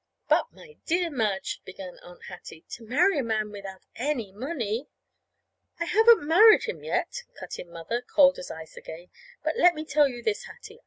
"But, my dear Madge," began Aunt Hattie again, "to marry a man without any money " "I haven't married him yet," cut in Mother, cold again, like ice. "But let me tell you this, Hattie.